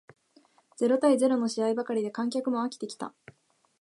ゼロ対ゼロの試合ばかりで観客も飽きてきた